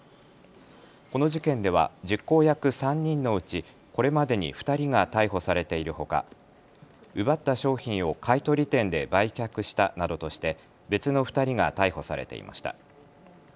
この事件では実行役３人のうちこれまでに２人が逮捕されているほか、奪った商品を買取店で売却したなどとして別の２人が逮捕されていました。